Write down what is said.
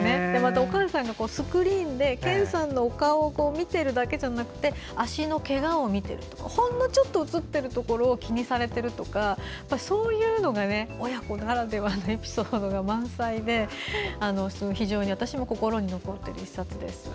お母さんがスクリーンで健さんのお顔を見ているだけじゃなくて足のけがを見ているとかほんのちょっと映っているところを気にされてるとかそういうのが親子ならではのエピソードが満載で非常に私も心に残っている